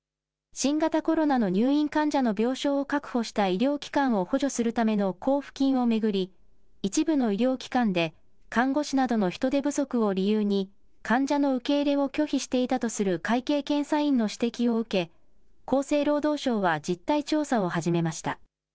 新型コロナの入院患者の病床を確保した医療機関を補助するための交付金を巡り、一部の医療機関で、看護師などの人手不足を理由に、患者の受け入れを拒否していたとする会計検査院の指摘を受け、厚生労働省は実態調査を始めました。